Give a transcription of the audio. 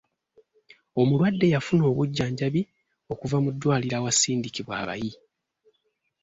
Omulwadde yafuna obujjanjabi okuva mu ddwaliro awasindikibwa abayi